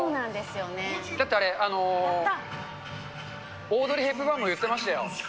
だってあれ、オードリー・ヘップバーンも言ってましたよ。